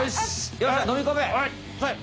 よっしゃ飲み込め！